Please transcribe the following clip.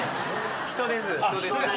人ですか！？